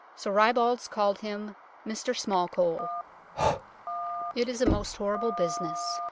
So ribalds called him " Mr Smallcole." It is a most horrible business.